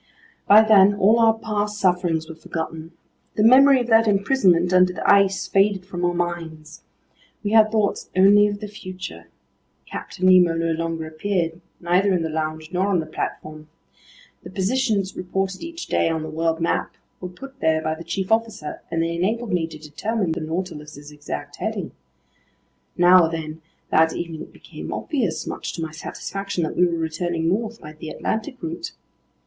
By then all our past sufferings were forgotten. The memory of that imprisonment under the ice faded from our minds. We had thoughts only of the future. Captain Nemo no longer appeared, neither in the lounge nor on the platform. The positions reported each day on the world map were put there by the chief officer, and they enabled me to determine the Nautilus's exact heading. Now then, that evening it became obvious, much to my satisfaction, that we were returning north by the Atlantic route.